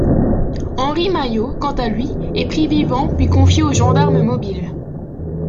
Henri Maillot, quant à lui, est pris vivant puis confié aux gendarmes mobiles.